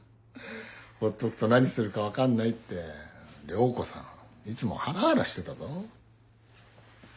ほっとくと何するか分かんないって涼子さんいつもハラハラしてたぞ。